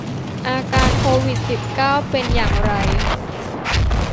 อาการโควิด สิบเก้า เป็นอย่างไร